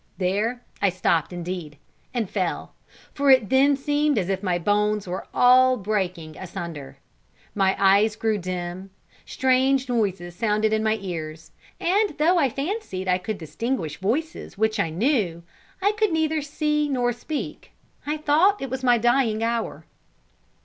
There I stopped indeed, and fell; for it then seemed as if my bones were all breaking asunder. My eyes grew dim; strange noises sounded in my ears; and though I fancied I could distinguish voices which I knew, I could neither see nor speak; I thought it was my dying hour.